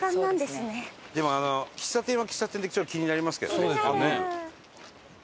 でも喫茶店は喫茶店で気になりますけどね。